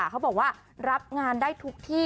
เขาบอกว่ารับงานได้ทุกที่